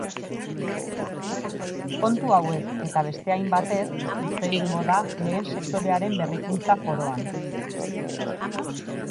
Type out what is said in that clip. Kontu hauez eta beste hainbatez hitz egingo da lehen sektorearen berrikuntza foroan.